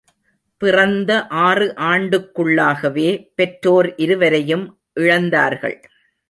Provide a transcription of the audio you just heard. பிறந்த ஆறு ஆண்டுக்குள்ளாகவே பெற்றோர் இருவரையும் இழந்தார்கள்.